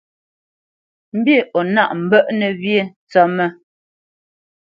Mbî o nâʼ mbə́ʼnə̄ wyê ntsə́mə́?